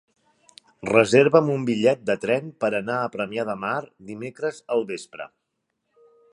Reserva'm un bitllet de tren per anar a Premià de Mar dimecres al vespre.